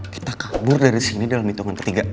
kita kabur dari sini dalam hitungan ketiga